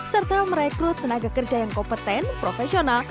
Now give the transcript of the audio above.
serta merekrut tenaga kerja yang kompeten profesional